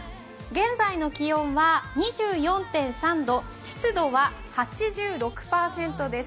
現在の気温は２４．３度、湿度は８６％です。